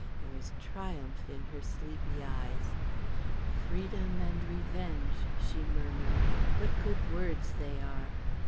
There was triumph in her sleepy eyes. "Freedom and revenge," she murmured. "What good words they are.